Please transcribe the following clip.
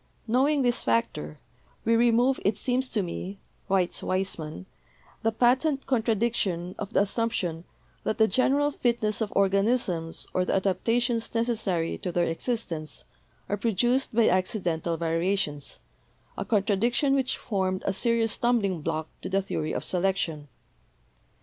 Knowing this factor, "we remove, it seems to me," writes Weismann, "the patent contradiction of the assumption that the general fitness of organisms or the adaptations necessary to their existence are produced by accidental variations — a contradiction which formed a serious stumbling block to the theory of selection.